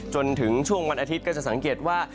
จนถึงช่วงวันอาทิตย์ก็จะสังเกตว่า